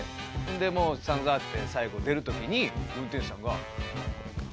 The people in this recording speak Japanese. でもう散々あって最後出る時に運転手さんが。